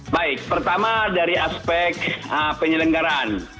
baik pertama dari aspek penyelenggaraan